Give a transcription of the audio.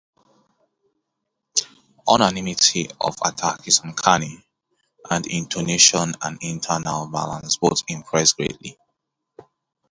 Unanimity of attack is uncanny, and intonation and internal balance both impress greatly.